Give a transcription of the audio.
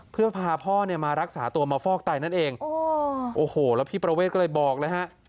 เพื่อพาพ่อเนี่ยมารักษาตัวมาฟอกไตนั่นเองโอ้โหแล้วพี่ประเวทก็เลยบอกเลยฮะ